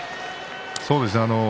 そうですね。